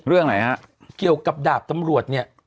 เรื่องไหนฮะเกี่ยวกับดาบตำรวจเนี่ย